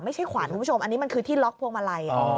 ขวานคุณผู้ชมอันนี้มันคือที่ล็อกพวงมาลัย